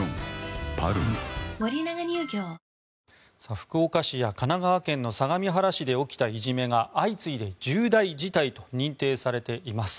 福岡市や神奈川県の相模原市で起きたいじめが相次いで重大事態と認定されています。